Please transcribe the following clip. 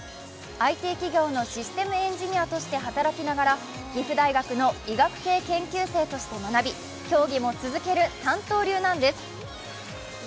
ＩＴ企業のシステムエンジニアとして働きながら岐阜大学の医学系研究生として学び競技も続ける三刀流なんです。